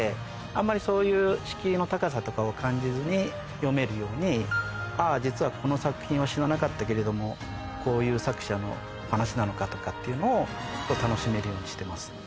あんまりそういう敷居の高さとかを感じずに読めるようにあぁ実はこの作品は知らなかったけれどもこういう作者の話なのかとかっていうのを楽しめるようにしてます。